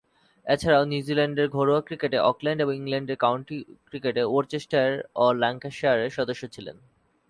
এছাড়াও নিউজিল্যান্ডের ঘরোয়া ক্রিকেটে অকল্যান্ড এবং ইংল্যান্ডের কাউন্টি ক্রিকেটে ওরচেস্টারশায়ার ও ল্যাঙ্কাশায়ার দলের সদস্য ছিলেন।